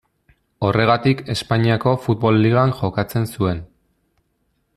Horregatik Espainiako futbol ligan jokatzen zuen.